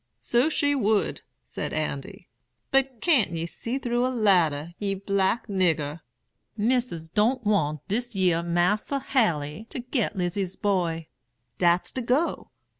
"'So she would,' said Andy; 'but can't ye see through a ladder, ye black nigger? Missis don't want dis yer Mas'r Haley to get Lizy's boy; dat's de go.